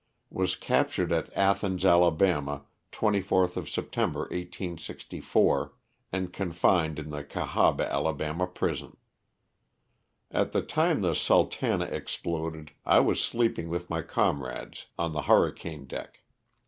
Was captured at Athens, Ala., 24th of September, 1864, and confined in the Cahaba, Ala., prison. At the time the '' Sultana'' exploded I was sleeping with my comrades on the hur ricane deck.